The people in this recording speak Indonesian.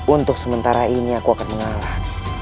untuk sementara ini aku akan mengalah